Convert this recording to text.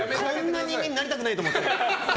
こんな人間になりたくない！と思って。